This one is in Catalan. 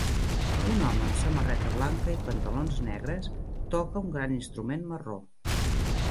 Un home amb samarreta blanca i pantalons negres toca un gran instrument marró.